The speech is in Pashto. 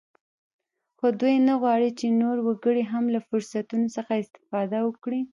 خو دوی نه غواړ چې نور وګړي هم له فرصتونو څخه استفاده وکړي